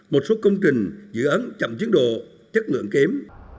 một số công trình dự án chậm tiến độ chất lượng kém